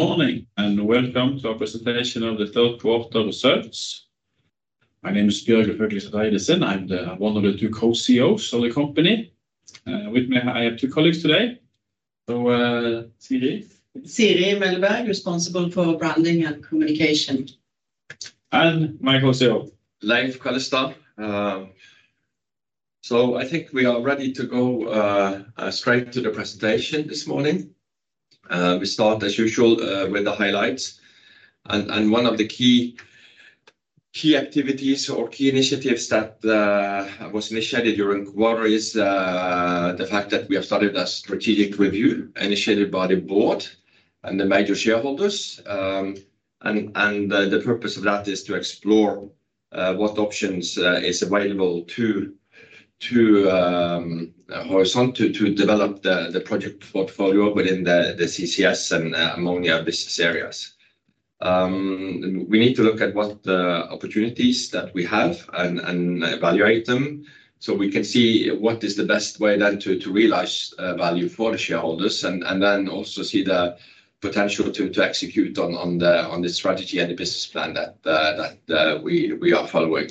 Good morning and welcome to our presentation of the third quarter results. My name is Bjørgulf Haukelidsæter Eidesen. I'm one of the two co-CEOs of the company. With me, I have two colleagues today. So, Siri. Siri Melberg, responsible for branding and communication. And my co-CEO. Leiv Kallestad. So I think we are ready to go straight to the presentation this morning. We start, as usual, with the highlights. And one of the key activities or key initiatives that was initiated during quarter is the fact that we have started a strategic review initiated by the board and the major shareholders. And the purpose of that is to explore what options are available to Horisont, to develop the project portfolio within the CCS and among our business areas. We need to look at what opportunities that we have and evaluate them so we can see what is the best way then to realize value for the shareholders and then also see the potential to execute on the strategy and the business plan that we are following.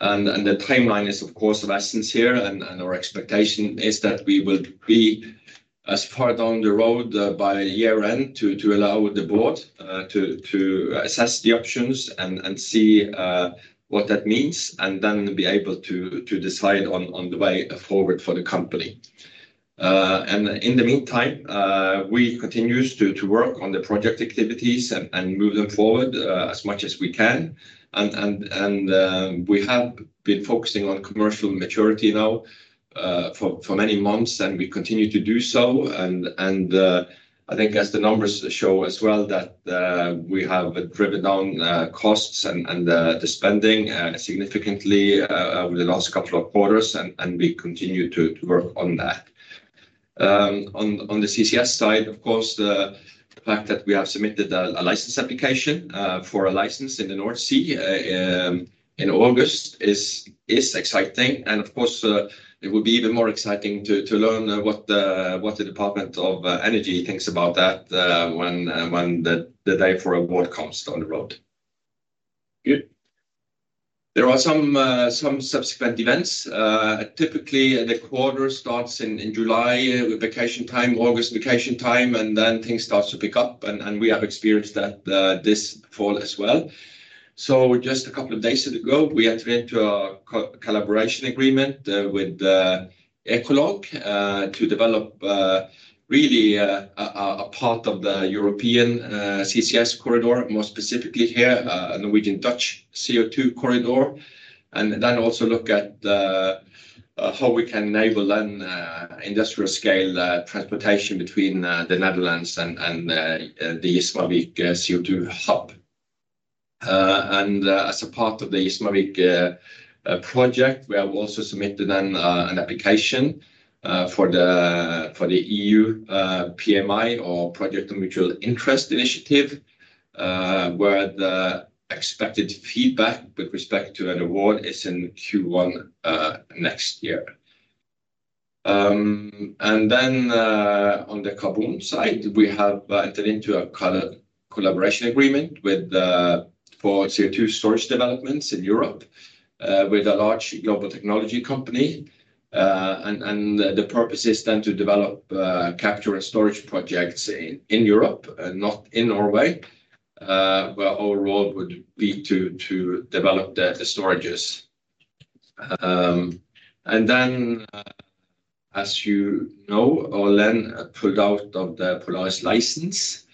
And the timeline is, of course, of essence here. And our expectation is that we will be as far down the road by year-end to allow the board to assess the options and see what that means and then be able to decide on the way forward for the company. And in the meantime, we continue to work on the project activities and move them forward as much as we can. And we have been focusing on commercial maturity now for many months, and we continue to do so. And I think as the numbers show as well, that we have driven down costs and the spending significantly over the last couple of quarters, and we continue to work on that. On the CCS side, of course, the fact that we have submitted a license application for a license in the North Sea in August is exciting. And of course, it will be even more exciting to learn what the Department of Energy thinks about that when the day for an award comes down the road. Good. There are some subsequent events. Typically, the quarter starts in July with vacation time, August vacation time, and then things start to pick up, and we have experienced that this fall as well, so just a couple of days ago, we entered into a collaboration agreement with Ecolog to develop really a part of the European CCS corridor, more specifically here, a Norwegian-Dutch CO2 corridor, and then also look at how we can enable then industrial-scale transportation between the Netherlands and the Gismarvik CO2 hub. And as a part of the Gismarvik project, we have also submitted then an application for the EU PMI or Project of Mutual Interest Initiative, where the expected feedback with respect to an award is in Q1 next year, and then on the carbon side, we have entered into a collaboration agreement for CO2 storage developments in Europe with a large global technology company. The purpose is then to develop capture and storage projects in Europe, not in Norway, where our role would be to develop the storages. As you know, Orlen pulled out of the Polaris license.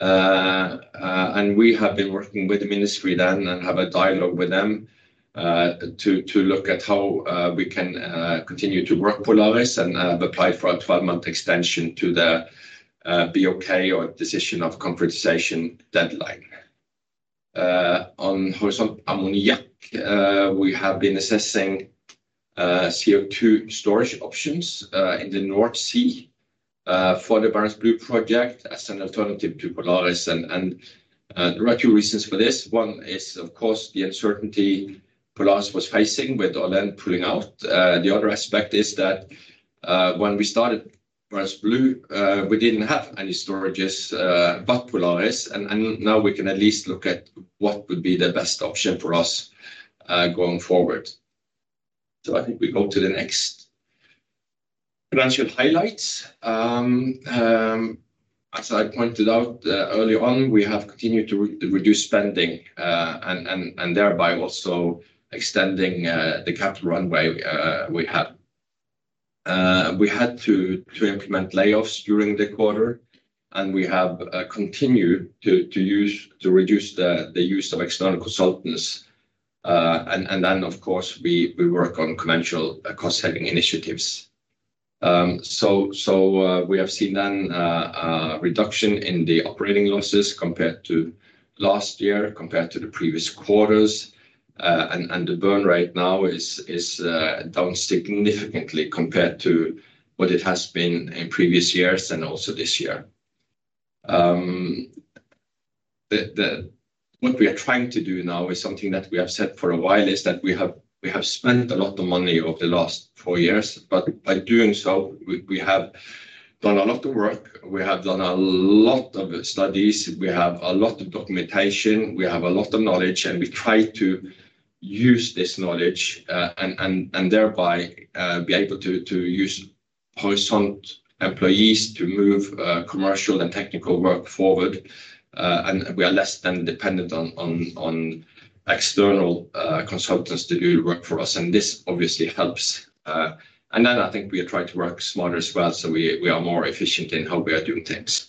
We have been working with the ministry, then, and have a dialogue with them to look at how we can continue to work Polaris and have applied for a 12-month extension to the BOK or decision of concretization deadline. On Horisont Ammoniakk, we have been assessing CO2 storage options in the North Sea for the Barents Blue project as an alternative to Polaris. There are two reasons for this. One is, of course, the uncertainty Polaris was facing with Orlen pulling out. The other aspect is that when we started Barents Blue, we didn't have any storages but Polaris. And now we can at least look at what would be the best option for us going forward. So I think we go to the next. Financial highlights. As I pointed out early on, we have continued to reduce spending and thereby also extending the capital runway we have. We had to implement layoffs during the quarter, and we have continued to reduce the use of external consultants. And then, of course, we work on commercial cost-saving initiatives. So we have seen then a reduction in the operating losses compared to last year, compared to the previous quarters. And the burn rate now is down significantly compared to what it has been in previous years and also this year. What we are trying to do now is something that we have said for a while is that we have spent a lot of money over the last four years. But by doing so, we have done a lot of work. We have done a lot of studies. We have a lot of documentation. We have a lot of knowledge. And we try to use this knowledge and thereby be able to use Horisont employees to move commercial and technical work forward. And we are less dependent on external consultants to do the work for us. And this obviously helps. And then I think we are trying to work smarter as well. So we are more efficient in how we are doing things.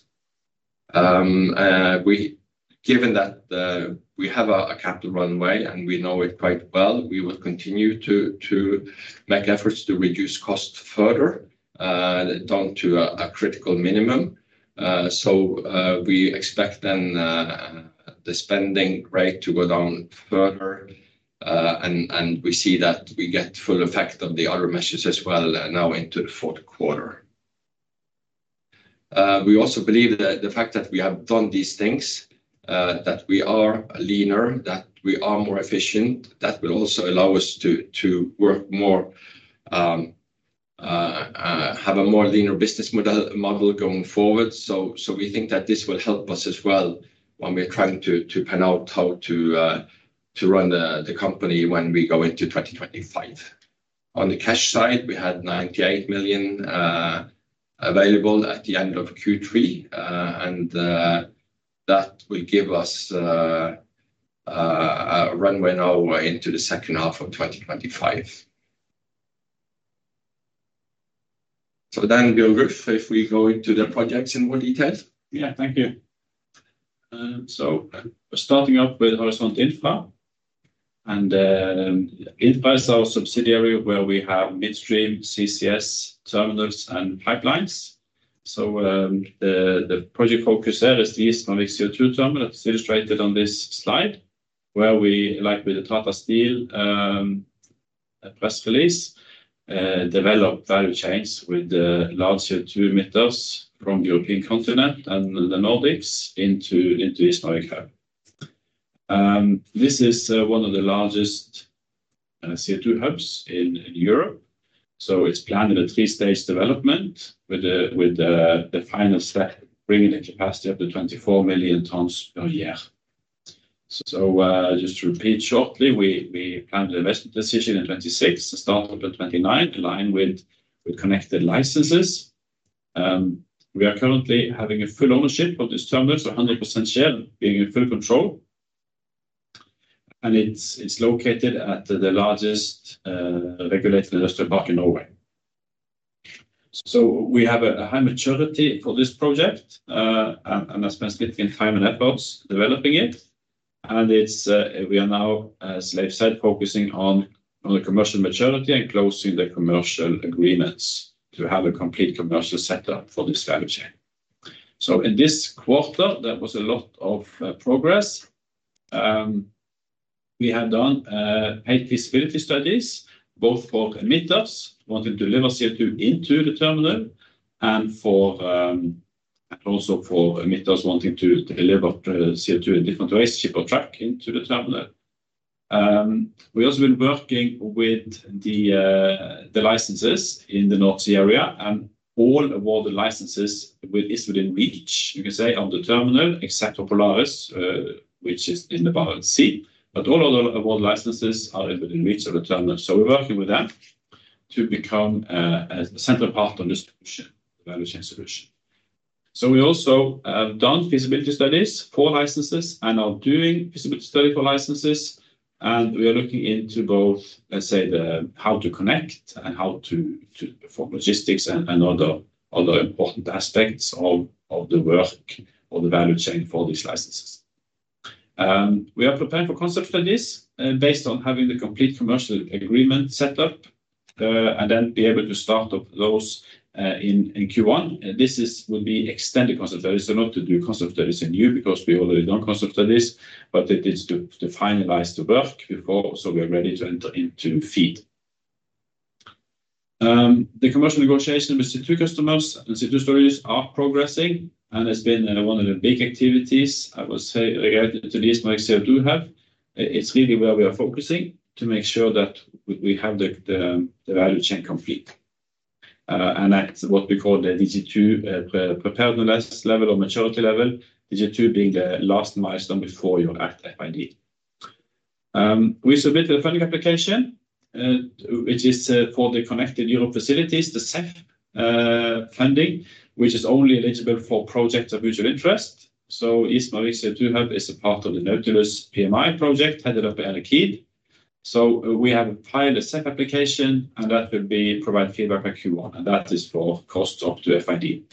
Given that we have a capital runway and we know it quite well, we will continue to make efforts to reduce costs further down to a critical minimum. So we expect then the spending rate to go down further. We see that we get full effect of the other measures as well now into the fourth quarter. We also believe that the fact that we have done these things, that we are leaner, that we are more efficient, that will also allow us to work more, have a more leaner business model going forward. We think that this will help us as well when we're trying to pan out how to run the company when we go into 2025. On the cash side, we had 98 million available at the end of Q3. That will give us a runway now into the second half of 2025. Then, Bjørgulf Haukelidsæter Eidesen, if we go into the projects in more detail. Yeah, thank you. So starting off with Horisont Infra. And Infra is our subsidiary where we have midstream CCS terminals and pipelines. So the project focus there is the Gismarvik CO2 terminal, as illustrated on this slide, where we, like with the Tata Steel press release, develop value chains with large CO2 emitters from the European continent and the Nordics into Gismarvik hub. This is one of the largest CO2 hubs in Europe. So it's planned in a three-stage development with the final step bringing the capacity up to 24 million tons per year. So just to repeat shortly, we planned an investment decision in 2026, started in 2029, aligned with connected licenses. We are currently having a full ownership of this terminal, so 100% share being in full control. And it's located at the largest regulated industrial park in Norway. So we have a high maturity for this project. I spent significant time and efforts developing it. We are now, as Leiv said, focusing on the commercial maturity and closing the commercial agreements to have a complete commercial setup for this value chain. In this quarter, there was a lot of progress. We had done eight feasibility studies, both for emitters wanting to deliver CO2 into the terminal and also for emitters wanting to deliver CO2 in different ways, ship or truck into the terminal. We have been working with the licenses in the North Sea area. All of the licenses is within reach, you can say, of the terminal, except for Polaris, which is in the Barents Sea. But all of the world licenses are within reach of the terminal. So we're working with them to become a central part of the solution, the value chain solution. So we also have done feasibility studies for licenses and are doing feasibility studies for licenses. And we are looking into both, let's say, how to connect and how to perform logistics and other important aspects of the work or the value chain for these licenses. We are preparing for concept studies based on having the complete commercial agreement set up and then be able to start up those in Q1. This would be extended concept studies. So not to do concept studies anew because we already done concept studies, but it is to finalize the work before so we are ready to enter into FEED. The commercial negotiation with CO2 customers and CO2 storage are progressing. And it's been one of the big activities, I would say, related to the Gismarvik CO2 hub. It's really where we are focusing to make sure that we have the value chain complete. That's what we call the DG2 preparedness level or maturity level, DG2 being the last milestone before the actual FID. We submitted a funding application, which is for the Connecting Europe Facility, the CEF funding, which is only eligible for projects of mutual interest. Gismarvik CO2 hub is a part of the Nautilus PMI project headed up by Eric Keed. We have a pilot CEF application, and that will provide feedback at Q1. That is for costs up to FID.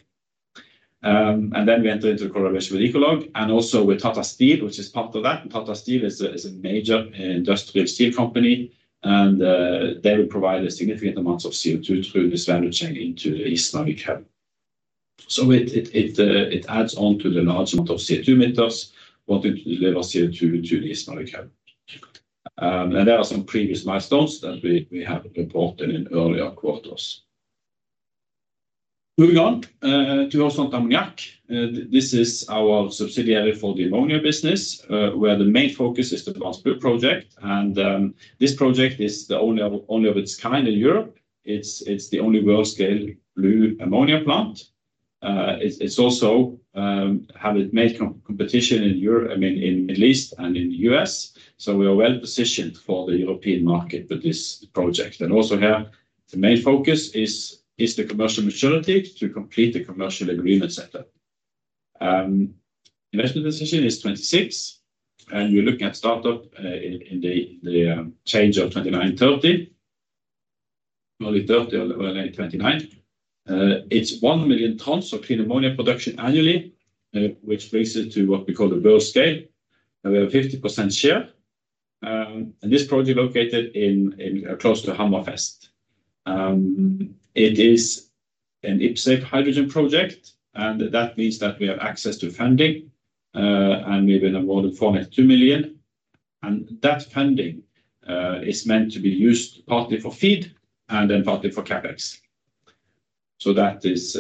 Then we enter into collaboration with Ecolog and also with Tata Steel, which is part of that. Tata Steel is a major industrial steel company. They will provide a significant amount of CO2 through this value chain into the Gismarvik hub. It adds on to the large amount of CO2 emitters wanting to deliver CO2 to the Gismarvik hub. There are some previous milestones that we have reported in earlier quarters. Moving on to Horisont Ammoniakk. This is our subsidiary for the ammonia business, where the main focus is the Barents Blue project. This project is the only of its kind in Europe. It's the only world-scale blue ammonia plant. It's also had its main competition in the Middle East and in the US. We are well positioned for the European market with this project. Also here, the main focus is the commercial maturity to complete the commercial agreement setup. Investment decision is 2026. We're looking at startup in the change of 2029-2030, early 2030 or late 2029. It's one million tons of clean ammonia production annually, which brings it to what we call the world scale. We have a 50% share. This project is located close to Hammerfest. It is an IPCEI hydrogen project. That means that we have access to funding. We've been awarded 4.2 million. That funding is meant to be used partly for FEED and then partly for CapEx. That is.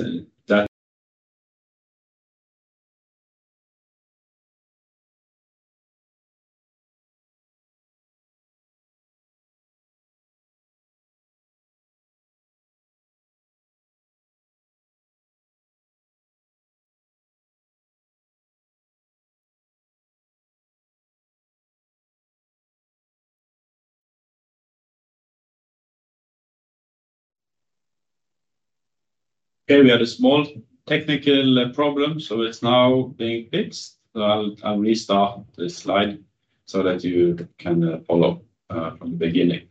Okay, we had a small technical problem. It's now being fixed. I'll restart the slide so that you can follow from the beginning.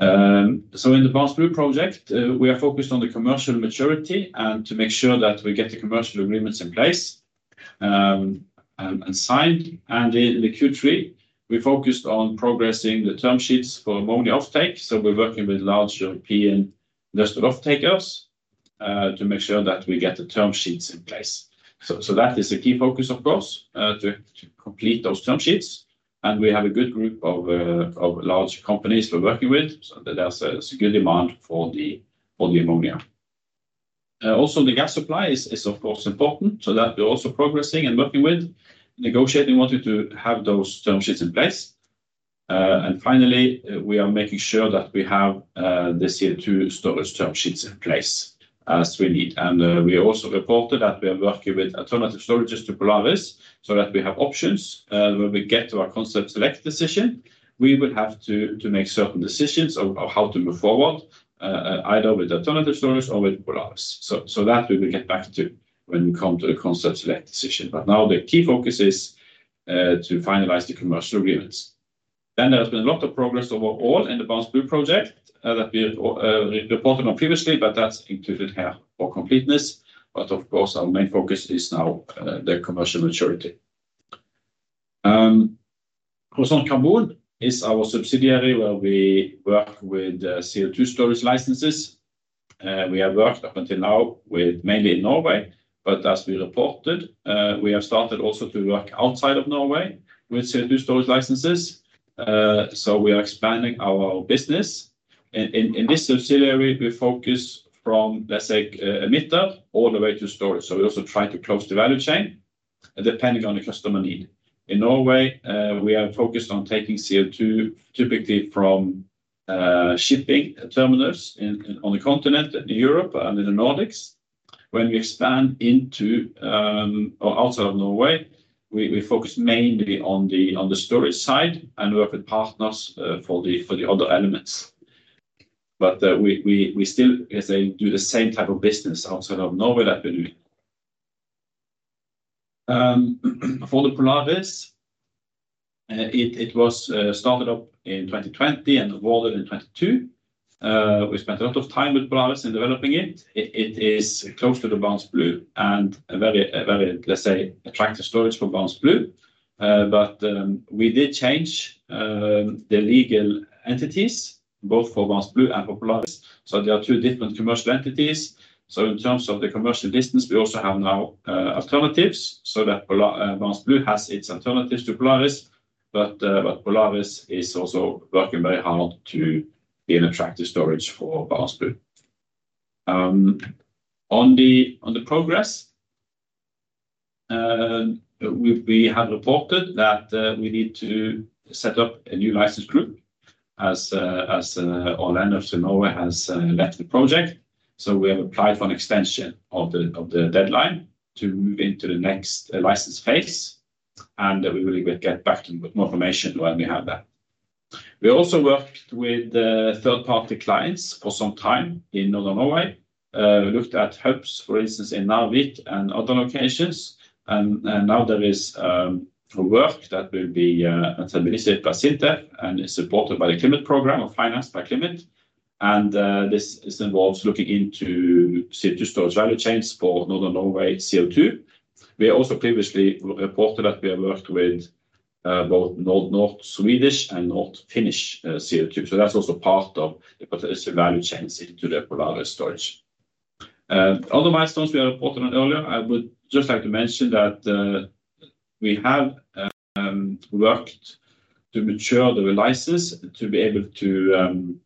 In the Barents Blue project, we are focused on the commercial maturity and to make sure that we get the commercial agreements in place and signed. In the Q3, we focused on progressing the term sheets for ammonia offtake. We're working with large European industrial offtakers to make sure that we get the term sheets in place. That is a key focus, of course, to complete those term sheets. We have a good group of large companies we're working with. There's a good demand for the ammonia. Also, the gas supply is, of course, important. We're also progressing and working with, negotiating wanting to have those term sheets in place. Finally, we are making sure that we have the CO2 storage term sheets in place as we need. We also reported that we are working with alternative storages to Polaris so that we have options where we get to our Concept Select decision. We will have to make certain decisions of how to move forward, either with alternative storage or with Polaris. We will get back to that when we come to the Concept Select decision. But now the key focus is to finalize the commercial agreements. There has been a lot of progress overall in the Barents Blue project that we reported on previously, but that's included here for completeness. But of course, our main focus is now the commercial maturity. Horisont Karbon is our subsidiary where we work with CO2 storage licenses. We have worked up until now mainly in Norway. But as we reported, we have started also to work outside of Norway with CO2 storage licenses. So we are expanding our business. In this subsidiary, we focus from, let's say, emitter all the way to storage. So we also try to close the value chain depending on the customer need. In Norway, we are focused on taking CO2 typically from shipping terminals on the continent in Europe and in the Nordics. When we expand into or outside of Norway, we focus mainly on the storage side and work with partners for the other elements. But we still, as I say, do the same type of business outside of Norway that we do. For the Polaris, it was started up in 2020 and awarded in 2022. We spent a lot of time with Polaris in developing it. It is close to the Barents Blue and a very, let's say, attractive storage for Barents Blue. But we did change the legal entities both for Barents Blue and for Polaris. So there are two different commercial entities. So in terms of the commercial distance, we also have now alternatives. So that Barents Blue has its alternatives to Polaris. But Polaris is also working very hard to be an attractive storage for Barents Blue. On the progress, we have reported that we need to set up a new license group as Orlen of Norway has left the project. So we have applied for an extension of the deadline to move into the next license phase. And we will get back to you with more information when we have that. We also worked with third-party clients for some time in Northern Norway. We looked at hubs, for instance, in Narvik and other locations, and now there is work that will be administrated by SINTEF and is supported by the Climate Program or financed by Climate, and this involves looking into CO2 storage value chains for Northern Norway CO2. We also previously reported that we have worked with both North Swedish and North Finnish CO2, so that's also part of the potential value chains into the Polaris storage. Other milestones we reported on earlier, I would just like to mention that we have worked to mature the license to be able to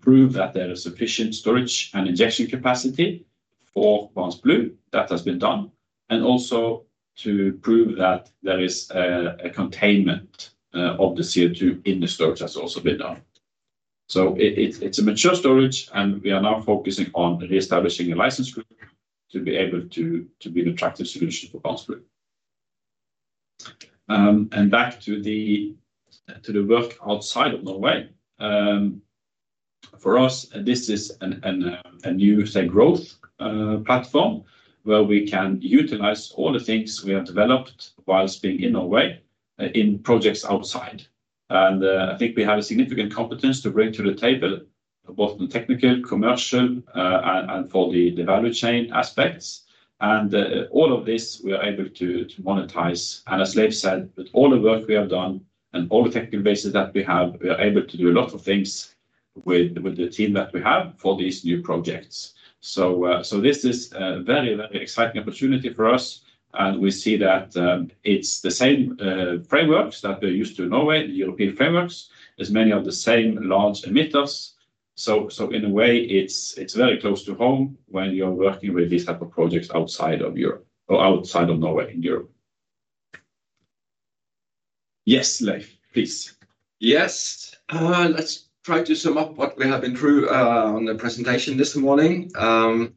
prove that there is sufficient storage and injection capacity for Barents Blue. That has been done, and also to prove that there is a containment of the CO2 in the storage has also been done, so it's a mature storage. We are now focusing on reestablishing a license group to be able to be an attractive solution for Barents Blue. Back to the work outside of Norway. For us, this is a new growth platform where we can utilize all the things we have developed while being in Norway in projects outside. I think we have a significant competence to bring to the table both in technical, commercial, and for the value chain aspects. All of this, we are able to monetize. As Leiv said, with all the work we have done and all the technical bases that we have, we are able to do a lot of things with the team that we have for these new projects. This is a very, very exciting opportunity for us. We see that it's the same frameworks that we're used to in Norway, the European frameworks, as many of the same large emitters. So in a way, it's very close to home when you're working with these types of projects outside of Europe or outside of Norway in Europe. Yes, Leiv, please. Yes. Let's try to sum up what we have been through on the presentation this morning.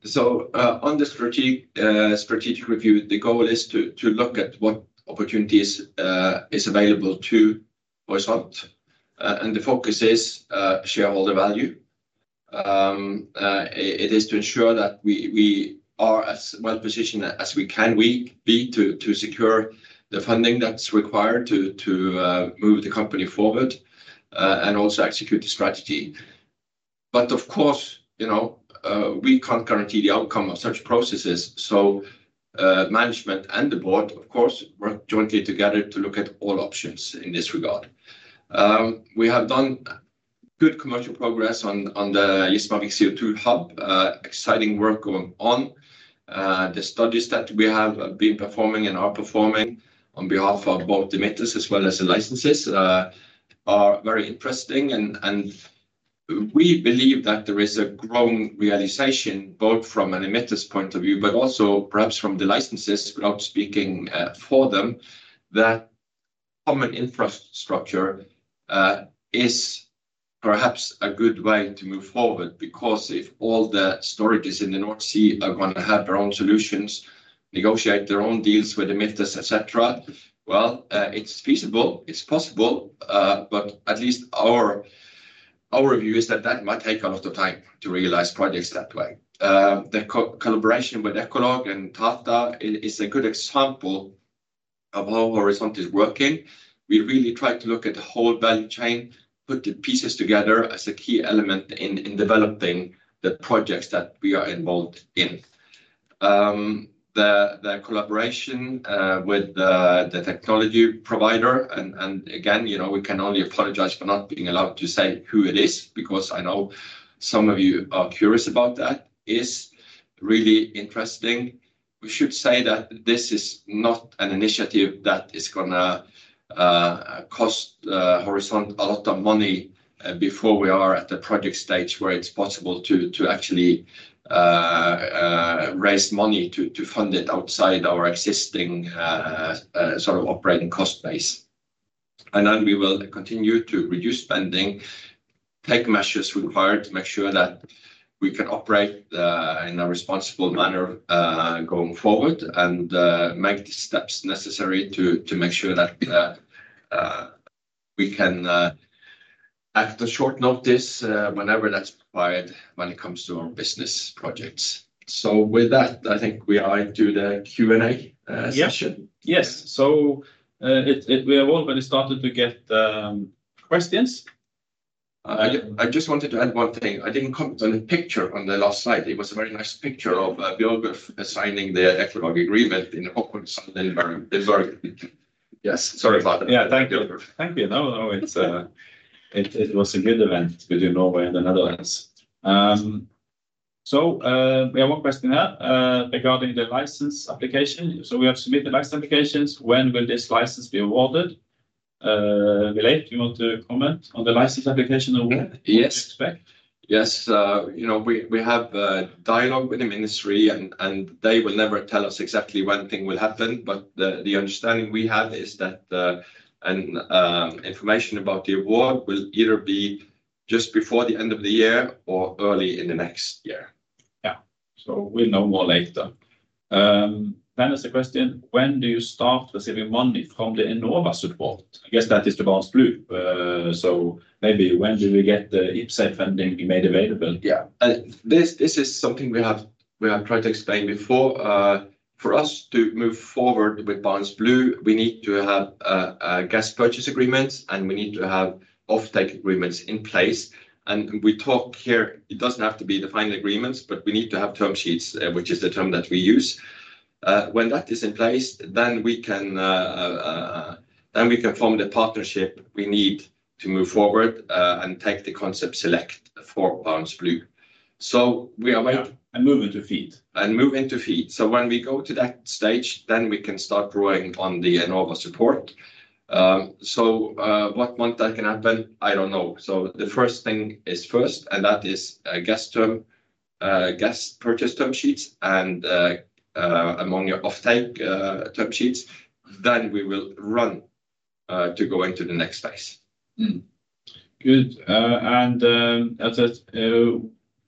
So on the strategic review, the goal is to look at what opportunities are available to Horisont. And the focus is shareholder value. It is to ensure that we are as well positioned as we can be to secure the funding that's required to move the company forward and also execute the strategy. But of course, we can't guarantee the outcome of such processes. So management and the board, of course, work jointly together to look at all options in this regard. We have done good commercial progress on the Gismarvik CO2 hub. Exciting work going on. The studies that we have been performing and are performing on behalf of both emitters as well as the licenses are very interesting. And we believe that there is a growing realization both from an emitter's point of view, but also perhaps from the licenses without speaking for them, that common infrastructure is perhaps a good way to move forward. Because if all the storages in the North Sea are going to have their own solutions, negotiate their own deals with emitters, etc., well, it's feasible. It's possible. But at least our view is that that might take a lot of time to realize projects that way. The collaboration with Ecolog and Tata is a good example of how Horisont is working. We really try to look at the whole value chain, put the pieces together as a key element in developing the projects that we are involved in. The collaboration with the technology provider, and again, we can only apologize for not being allowed to say who it is, because I know some of you are curious about that, is really interesting. We should say that this is not an initiative that is going to cost Horisont a lot of money before we are at the project stage where it's possible to actually raise money to fund it outside our existing sort of operating cost base. Then we will continue to reduce spending, take measures required to make sure that we can operate in a responsible manner going forward and make the steps necessary to make sure that we can act on short notice whenever that's required when it comes to our business projects. So with that, I think we are into the Q&A session. Yes. So we have already started to get questions. I just wanted to add one thing. I didn't comment on the picture on the last slide. It was a very nice picture of a biographer signing the Ecolog agreement in Hopper and Denberg. Yes. Sorry about that. Yeah. Thank you. Thank you. No, no, it was a good event with Norway and the Netherlands. So we have one question here regarding the license application. So we have submitted license applications. When will this license be awarded? Leiv, do you want to comment on the license application award? Yes. Yes. We have a dialogue with the ministry, and they will never tell us exactly when things will happen. But the understanding we have is that information about the award will either be just before the end of the year or early in the next year. Yeah. So we'll know more later. Then there's a question. When do you start receiving money from the Enova support? I guess that is the Barents Blue. So maybe when do we get the IPCEI funding made available? Yeah. This is something we have tried to explain before. For us to move forward with Barents Blue, we need to have gas purchase agreements, and we need to have offtake agreements in place. And we talk here. It doesn't have to be the final agreements, but we need to have term sheets, which is the term that we use. When that is in place, then we can form the partnership we need to move forward and take the Concept Select for Barents Blue. So we are waiting. And move into FEED. So when we go to that stage, then we can start drawing on the Enova support. So what month that can happen, I don't know. So the first thing is first, and that is gas purchase term sheets and ammonia offtake term sheets. Then we will be ready to go into the next phase. Good. And as I said,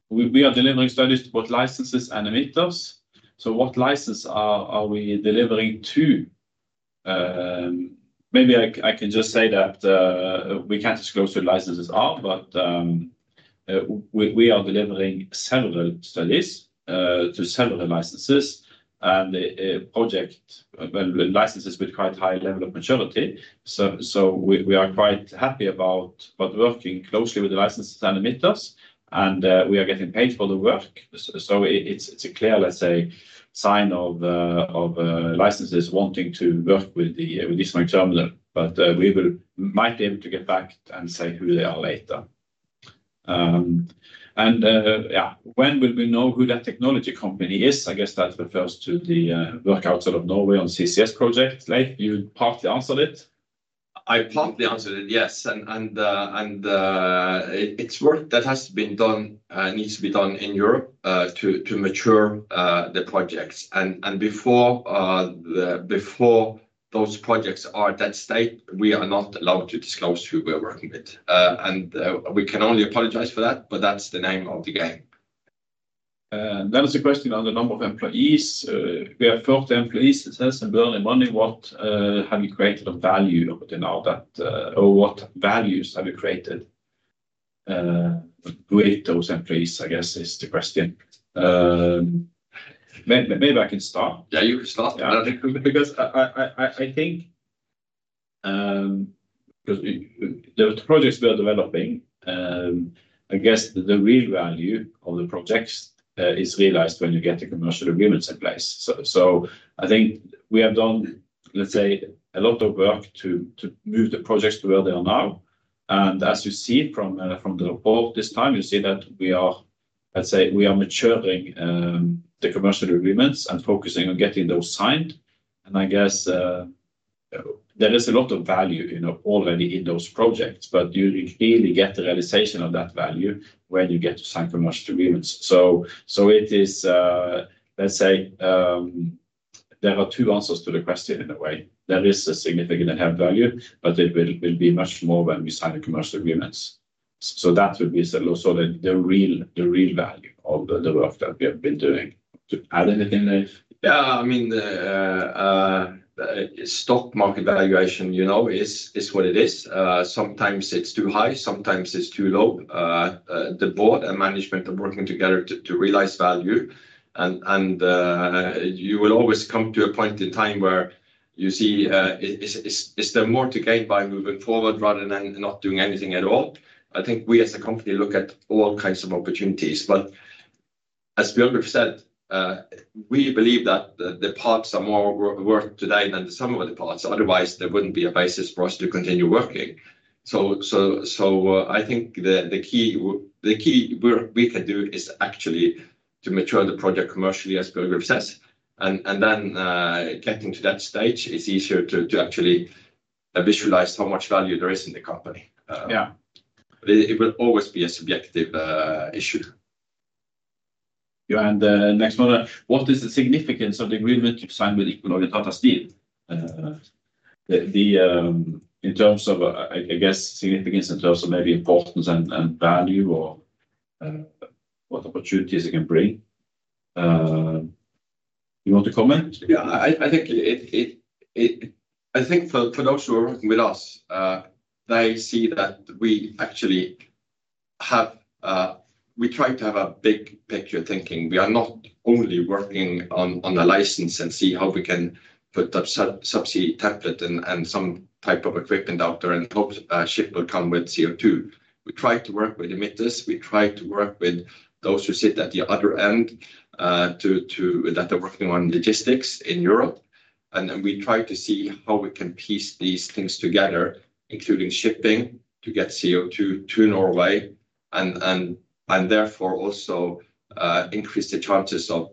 we are delivering studies to both licenses and emitters. So what license are we delivering to? Maybe I can just say that we can't disclose who the licenses are, but we are delivering several studies to several licenses and project licenses with quite high level of maturity, so we are quite happy about working closely with the licenses and emitters, and we are getting paid for the work, so it's a clear, let's say, sign of licenses wanting to work with the Gismarvik terminal, but we might be able to get back and say who they are later, and yeah, when will we know who that technology company is? I guess that refers to the work outside of Norway on CCS projects. Leiv, you partly answered it. I partly answered it, yes, and it's work that has been done, needs to be done in Europe to mature the projects. Before those projects are at that stage, we are not allowed to disclose who we're working with. We can only apologize for that, but that's the name of the game. Then there's a question on the number of employees. We have 30 employees, it says, and we're only running what have we created of value within our debt? Or what values have we created with those employees, I guess, is the question. Maybe I can start. Yeah, you can start. Because I think there were projects we are developing. I guess the real value of the projects is realized when you get the commercial agreements in place. I think we have done, let's say, a lot of work to move the projects to where they are now. As you see from the report this time, you see that we are, let's say, we are maturing the commercial agreements and focusing on getting those signed. I guess there is a lot of value already in those projects, but you really get the realization of that value when you get to sign commercial agreements. It is, let's say, there are two answers to the question in a way. There is a significant inherent value, but it will be much more when we sign the commercial agreements. That would be the real value of the work that we have been doing. To add anything, Leiv? Yeah, I mean, stock market valuation is what it is. Sometimes it's too high, sometimes it's too low. The board and management are working together to realize value. You will always come to a point in time where you see, is there more to gain by moving forward rather than not doing anything at all. I think we as a company look at all kinds of opportunities. But as Biogrip said, we believe that the parts are more worth today than the sum of the parts. Otherwise, there wouldn't be a basis for us to continue working. So I think the key work we can do is actually to mature the project commercially, as Biogrip says. And then getting to that stage is easier to actually visualize how much value there is in the company. Yeah. It will always be a subjective issue. Yeah. And next one, what is the significance of the agreement you signed with Equinor and Tata Steel? In terms of, I guess, significance in terms of maybe importance and value or what opportunities it can bring. You want to comment? Yeah. I think for those who are working with us, they see that we actually have. We try to have a big picture thinking. We are not only working on a license and see how we can put a subsea template and some type of equipment out there and hope ship will come with CO2. We try to work with emitters. We try to work with those who sit at the other end that are working on logistics in Europe, and we try to see how we can piece these things together, including shipping to get CO2 to Norway and therefore also increase the chances of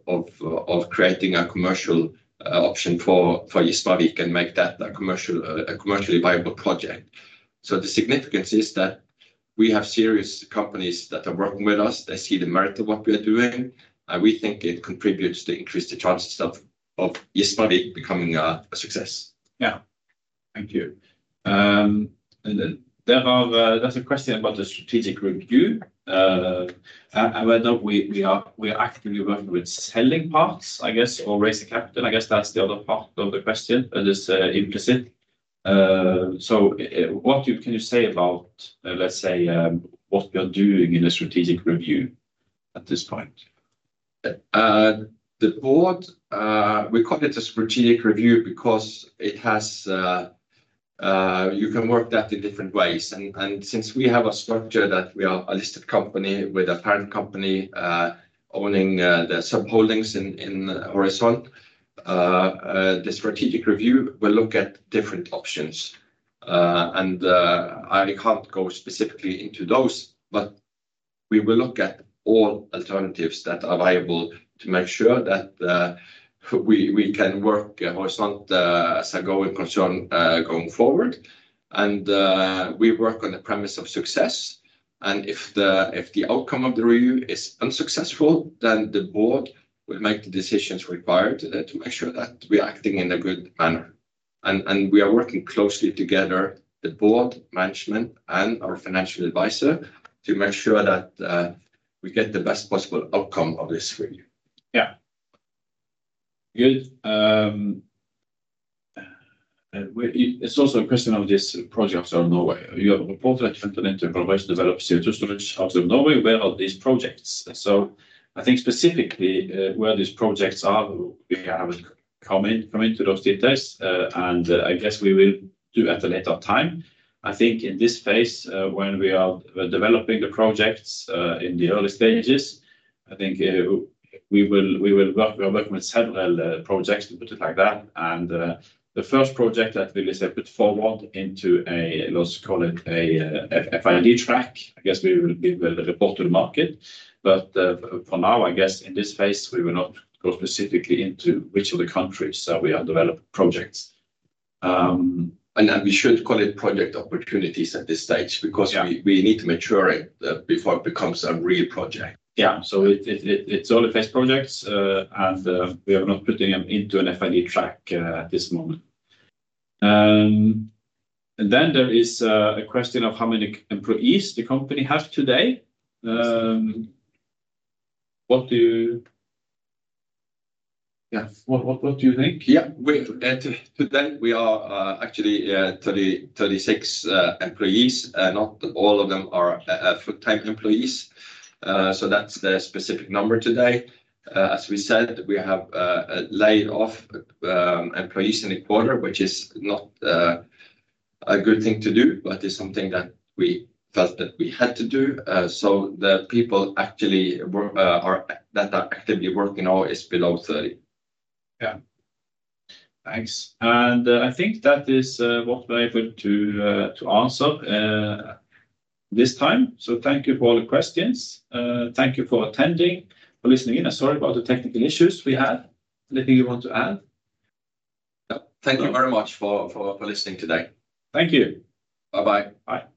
creating a commercial option for Gismarvik and make that a commercially viable project. So the significance is that we have serious companies that are working with us. They see the merit of what we are doing. We think it contributes to increase the chances of Gismarvik becoming a success. Yeah. Thank you. There's a question about the strategic review. I know we are actively working with selling parts, I guess, or raising capital. I guess that's the other part of the question. That is implicit. So what can you say about, let's say, what we are doing in a strategic review at this point? The board, we call it a strategic review because it has you can work that in different ways. And since we have a structure that we are a listed company with a parent company owning the subholdings in Horisont, the strategic review will look at different options. I can't go specifically into those, but we will look at all alternatives that are viable to make sure that we can work Horisont as a going concern going forward. We work on the premise of success. If the outcome of the review is unsuccessful, then the board will make the decisions required to make sure that we are acting in a good manner. We are working closely together, the board, management, and our financial advisor, to make sure that we get the best possible outcome of this review. Yeah. Good. It's also a question of this project outside of Norway. You have reported that you want to enter a provision to develop CO2 storage outside of Norway. Where are these projects? I think specifically where these projects are, we have come into those details. I guess we will do at a later time. I think in this phase, when we are developing the projects in the early stages, I think we will work with several projects, to put it like that. And the first project that we will put forward into a, let's call it a FID track, I guess we will report to the market. But for now, I guess in this phase, we will not go specifically into which of the countries we are developing projects. And we should call it project opportunities at this stage because we need to mature it before it becomes a real project. Yeah. So it's early phase projects, and we are not putting them into an FID track at this moment. And then there is a question of how many employees the company has today. What do you think? Yeah. Today, we are actually 36 employees. Not all of them are full-time employees. So that's the specific number today. As we said, we have laid off employees in the quarter, which is not a good thing to do, but it's something that we felt that we had to do. So the people actually that are actively working now is below 30. Yeah. Thanks. And I think that is what we're able to answer this time. So thank you for all the questions. Thank you for attending, for listening in. Sorry about the technical issues we had. Anything you want to add? Thank you very much for listening today. Thank you. Bye-bye. Bye.